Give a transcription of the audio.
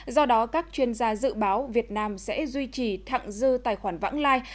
do đó các chuyên gia dự báo việt nam sẽ duy trì thẳng dư tài khoản vãng lai